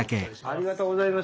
ありがとうございます！